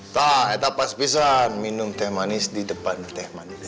taa itu pas bisa minum teh manis di depan teh manis